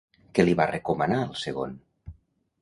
Què li va recomanar al segon?